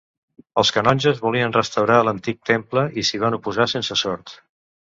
Els canonges volien restaurar l'antic temple i s'hi van oposar sense sort.